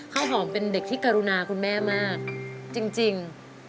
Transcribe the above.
ข้าวหอมเป็นเด็กที่กรุณาคุณแม่มากจริง